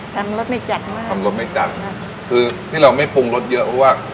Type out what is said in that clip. กำลังไม่จัดนะครับคำลังไม่จัดแล้วคือที่เราไม่ปรุงรสเยอะเพราะว่า